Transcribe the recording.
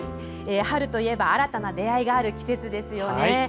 春といえば新たな出会いがある季節ですよね。